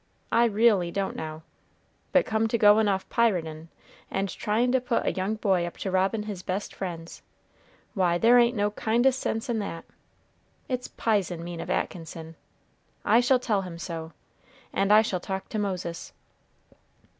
"I reely don't, now; but come to goin' off piratin', and tryin' to put a young boy up to robbin' his best friends, why, there ain't no kind o' sense in that. It's p'ison mean of Atkinson. I shall tell him so, and I shall talk to Moses."